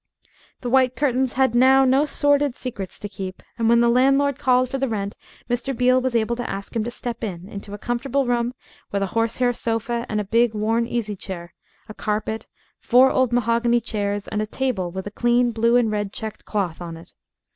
The white curtains had now no sordid secrets to keep and when the landlord called for the rent Mr. Beale was able to ask him to step in into a comfortable room with a horsehair sofa and a big, worn easy chair, a carpet, four old mahogany chairs, and a table with a clean blue and red checked cloth on it.